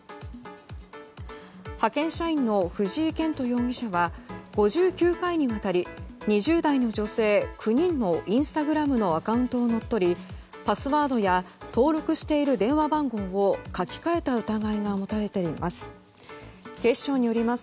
派遣社員の藤井健人容疑者は５９回にわたり２０代の女性９人のインスタグラムのアカウントを乗っ取りパスワードや登録している電話番号を書き換えた疑いが持たれています。